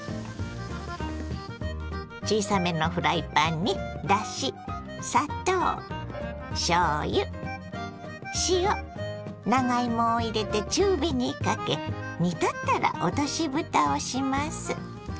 小さめのフライパンにだし砂糖しょうゆ塩長芋を入れて中火にかけ煮立ったら落としぶたをします。